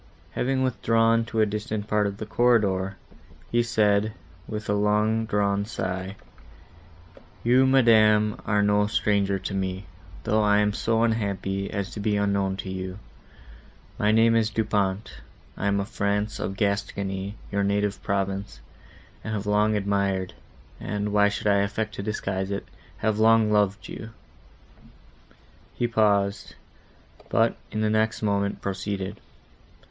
—Having withdrawn to a distant part of the corridor, he said, with a long drawn sigh, "You, madam, are no stranger to me, though I am so unhappy as to be unknown to you.—My name is Du Pont; I am of France, of Gascony, your native province, and have long admired,—and, why should I affect to disguise it?—have long loved you." He paused, but, in the next moment, proceeded.